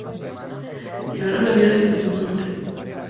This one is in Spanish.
Narra la vida del personaje del mismo nombre.